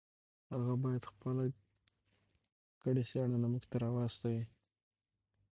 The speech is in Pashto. هغه باید خپله کړې څېړنه موږ ته راواستوي.